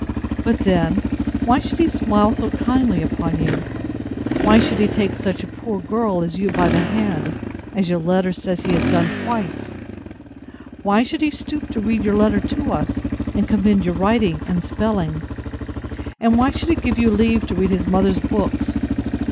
But, then, why should he smile so kindly upon you? Why should he take such a poor girl as you by the hand, as your letter says he has done twice? Why should he stoop to read your letter to us; and commend your writing and spelling? And why should he give you leave to read his mother's books?